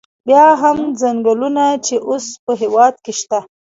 بیا هم څنګلونه چې اوس په هېواد کې شته.